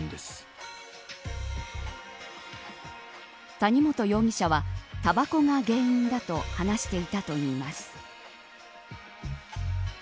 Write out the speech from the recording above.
谷本容疑者はたばこが原因だと話していたといいます。